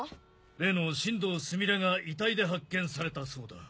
例の新堂すみれが遺体で発見されたそうだ。